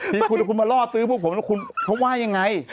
ที่คุณว่าคุณมาล่อซื้อพวกผมแล้วเค้าว่ายังไง